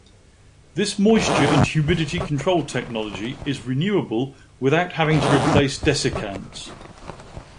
This moisture and humidity control technology is renewable without having to replace desiccants.